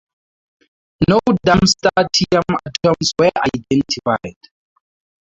No darmstadtium atoms were identified.